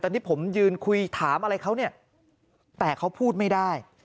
ที่ผมยืนคุยถามอะไรเขาเนี่ยแต่เขาพูดไม่ได้